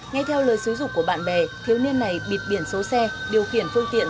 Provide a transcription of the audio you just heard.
nghe theo lời xứ dục của bạn bè thiếu niên này bịt biển số xe điều khiển phương tiện